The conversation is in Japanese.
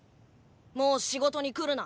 もう仕事に来るな。